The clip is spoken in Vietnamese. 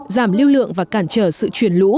giảm lưu lượng và cản trở sự chuyển lũ